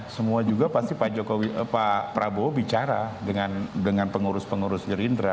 semua juga pasti pak prabowo bicara dengan pengurus pengurus gerindra